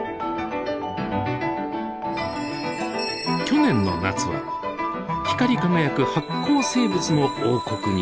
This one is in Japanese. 去年の夏は光り輝く発光生物の王国に潜入。